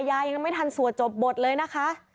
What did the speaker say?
ยังไม่ทันสวดจบบทเลยนะคะ